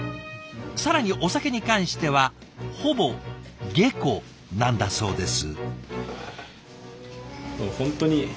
更にお酒に関してはほぼ下戸なんだそうです。